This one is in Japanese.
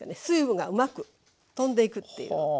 水分がうまく飛んでいくっていう。